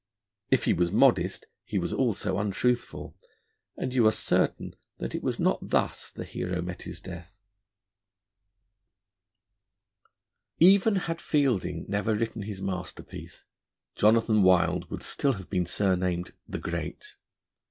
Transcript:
If he was modest, he was also untruthful, and you are certain that it was not thus the hero met his death. Even had Fielding never written his masterpiece, Jonathan Wild would still have been surnamed 'The Great.'